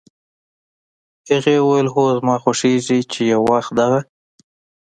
هغې وویل: "هو، زما خوښېږي چې یو وخت دغه